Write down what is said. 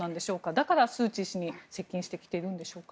だからスーチー氏に接近してきているんでしょうか。